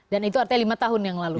dan itu artinya lima tahun yang lalu